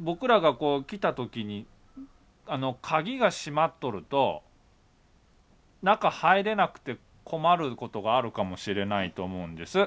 僕らがこう来た時に鍵が閉まっとると中入れなくて困ることがあるかもしれないと思うんです。